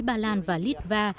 bà lan và litva